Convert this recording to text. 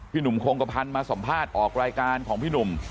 หนุ่มโครงกระพันธ์มาสัมภาษณ์ออกรายการของพี่หนุ่ม